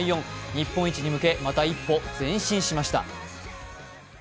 日本一に向け、また一歩前進しました。